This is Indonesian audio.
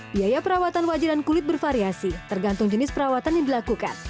biaya perawatan wajah dan kulit bervariasi tergantung jenis perawatan yang dilakukan